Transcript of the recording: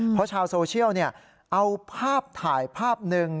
เพราะชาวโซเชียลเอาภาพถ่ายภาพหนึ่ง